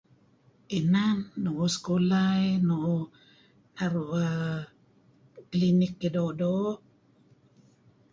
Inan nu'uh sekulah eh nu'uh naru' err klinik eh doo'-doo'.